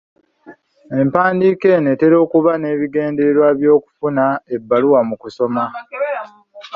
Empandiika eno etera okuba n'ebigendererwa by'okufuna ebbaluwa mu kusoma.